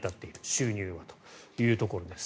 収入はというところです。